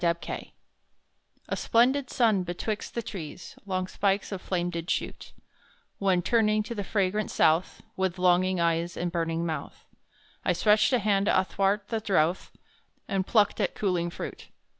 Aileen A splendid sun betwixt the trees Long spikes of flame did shoot, When turning to the fragrant South, With longing eyes and burning mouth, I stretched a hand athwart the drouth, And plucked at cooling fruit.